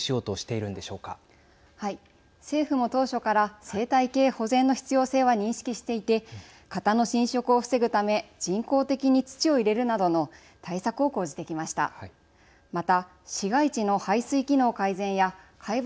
政府も当初から生態系保全の必要性は認識していて潟の侵食を防ぐため人工的に土を入れるなどの対策を講じてきました。